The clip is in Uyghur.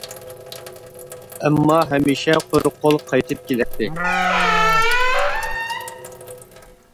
ئەمما ھەمىشە قۇرۇق قول قايتىپ كېلەتتى.